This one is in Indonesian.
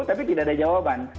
tapi tidak ada jawaban